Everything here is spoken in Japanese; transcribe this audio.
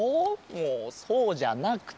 もうそうじゃなくて。